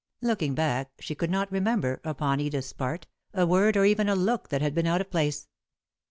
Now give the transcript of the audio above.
Looking back, she could not remember, upon Edith's part, a word or even a look that had been out of place.